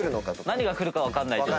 何がくるか分かんない状態。